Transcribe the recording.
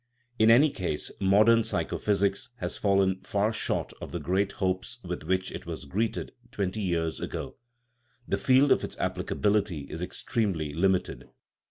In any case modern psycho physics has fallen far short of the great hopes with which it was greeted twenty years ago ; the field of its applicability is extremely limited.